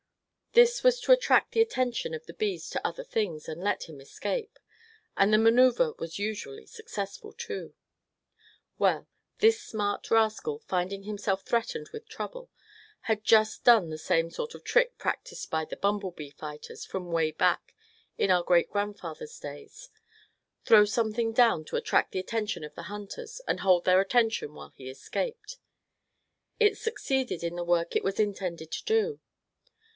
This was to attract the attention of the bees to other things, and let him escape. And the manoeuvre was usually successful, too. Well, this smart rascal, finding himself threatened with trouble, had just done the same sort of trick practiced by the bumble bee fighters from away back in our great grandfathers' days, throw something down to attract the attention of the hunters and hold their attention while he escaped. It succeeded in the work it was intended to do.